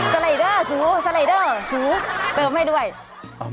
สไลเดอร์สฮุสไลเดอร์สฮุ